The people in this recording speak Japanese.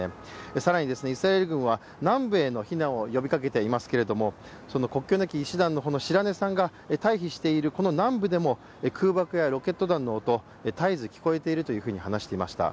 更にですね、イスラエル軍は南部への避難を呼びかけていますけれども国境なき医師団の白根さんが退避している南部でも空爆やロケット弾の音、絶えず聞こえていると話していました。